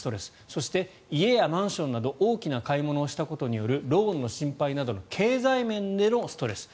そして、家やマンションなど大きな買い物をしたことによるローンの心配などの経済面でのストレス。